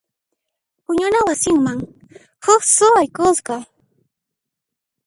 Puñuna wasiman huk suwa haykusqa.